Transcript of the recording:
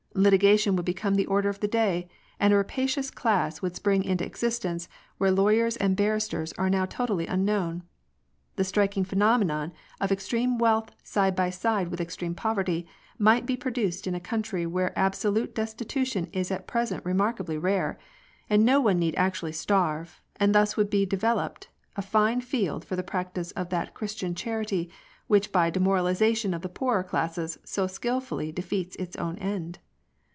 Litigation would become the order of the day, and a rapacious class would spring into existence where lawyers and bar risters are now totally unknown. The striking phenomenon of extreme wealth side by side with extreme poverty, might be produced in a country where absolute destitution is at present remarkably rare, and no one need actually starve ; and thus would be developed a fine field for the practice of that Christian charity which by demoralisation of the poorer classes so skilfully defeats its own end.